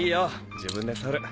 自分で取る。